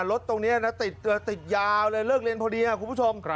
รถตรงนี้นะติดยาวเลยเลิกเรียนพอดีครับคุณผู้ชม